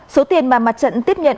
số tiền mà mặt trận tiếp nhận